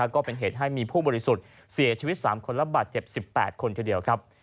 ก็เป็นเหตุให้มีผู้บริสุทธิ์เสียชีวิต๓คนและบาดเจ็บ๑๘คนทีเดียวครับ